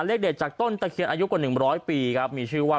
เลขเด็ดจากต้นตะเคียนอายุกว่า๑๐๐ปีครับมีชื่อว่า